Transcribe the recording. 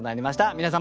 皆様